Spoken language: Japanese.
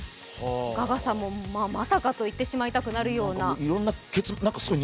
ガガさんも、まさかと言ってしまいたくなるような。